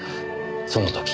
その時。